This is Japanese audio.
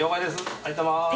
ありがとうございます。